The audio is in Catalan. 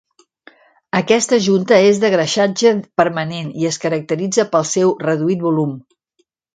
Aquesta junta és de greixatge permanent i es caracteritza pel seu reduït volum.